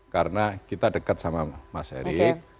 karena kita dekat sama mas erick